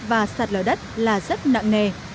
và sạt lợi đất là rất nặng nghề